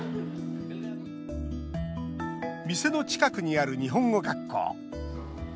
店の近くにある日本語学校。